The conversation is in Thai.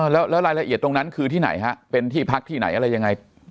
แล้วรายละเอียดตรงนั้นคือที่ไหนฮะเป็นที่พักที่ไหนอะไรยังไง